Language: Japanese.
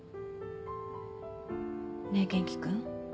ねぇ元気君。